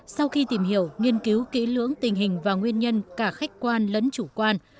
sau khi tìm hiểu nghiên cứu kỹ lưỡng tình hình và nguyên nhân cả khách quan lẫn chủ quan